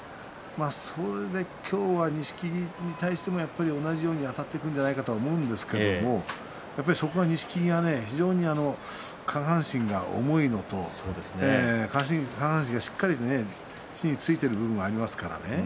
それで今日は錦木に対しても同じようにあたっていくんじゃないかとは思うんですけどそこは錦木が非常に下半身が重いのと下半身がしっかり地に着いている部分がありますからね。